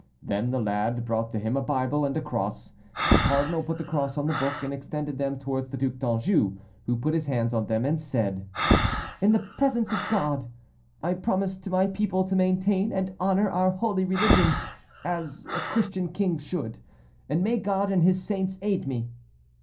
Then the lad brought to him a Bible and a cross. The cardinal put the cross on the book and extended them towards the Duc d'Anjou, who put his hand on them, and said, "In the presence of God, I promise to my people to maintain and honor our holy religion as a Christian king should. And may God and His saints aid me!"